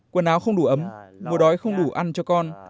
quần áo không đủ ấm mùa đói không đủ ăn cho con